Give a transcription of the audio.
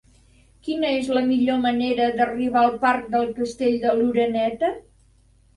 Quina és la millor manera d'arribar al parc del Castell de l'Oreneta?